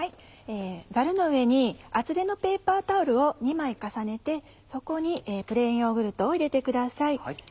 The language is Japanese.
ザルの上に厚手のペーパータオルを２枚重ねてそこにプレーンヨーグルトを入れてください。